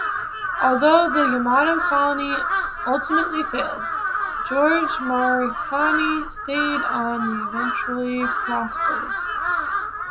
Although the Yamato Colony ultimately failed, George Morikami stayed on and eventually prospered.